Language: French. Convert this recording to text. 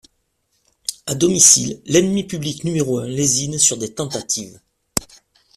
À domicile, l'ennemi public numéro un lésine sur des tentatives.